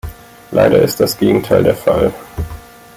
Leider ist das Gegenteil der Fall.